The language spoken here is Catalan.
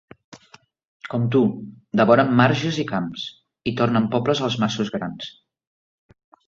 Com tu, devoren marges i camps, i tornen pobles els masos grans.